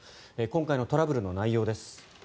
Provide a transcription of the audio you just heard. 今回のトラブルの内容です。